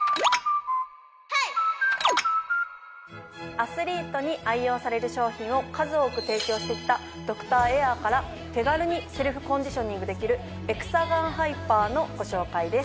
アスリートに愛用される商品を数多く提供して来たドクターエアから手軽にセルフコンディショニングできる「エクサガンハイパー」のご紹介です。